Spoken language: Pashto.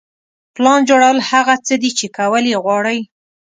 پلان جوړول هغه څه دي چې کول یې غواړئ.